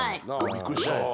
びっくりした。